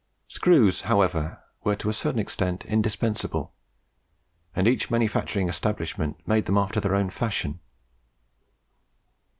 Screws, however, were to a certain extent indispensable; and each manufacturing establishment made them after their own fashion.